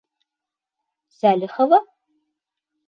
Сәлихова?!